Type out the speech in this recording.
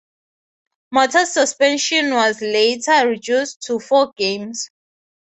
Mota's suspension was later reduced to four games.